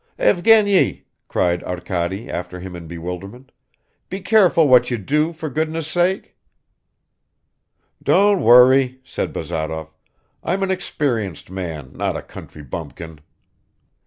"Evgeny," cried Arkady after him in bewilderment, "be careful what you do, for goodness' sake." "Don't worry," said Bazarov. "I'm an experienced man, not a country bumpkin."